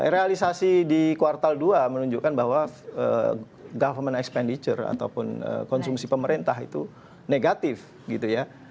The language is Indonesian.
realisasi di kuartal dua menunjukkan bahwa government expenditure ataupun konsumsi pemerintah itu negatif gitu ya